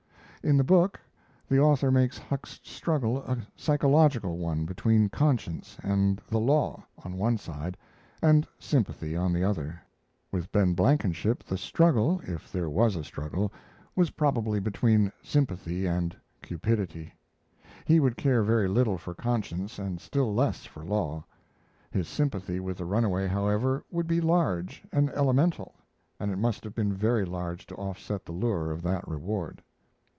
In the book, the author makes Huck's struggle a psychological one between conscience and the law, on one side, and sympathy on the other. With Ben Blankenship the struggle if there was a struggle was probably between sympathy and cupidity. He would care very little for conscience and still less for law. His sympathy with the runaway, however, would be large and elemental, and it must have been very large to offset the lure of that reward.